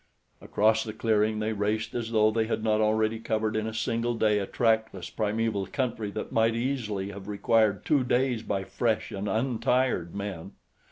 Across the clearing they raced as though they had not already covered in a single day a trackless, primeval country that might easily have required two days by fresh and untired men.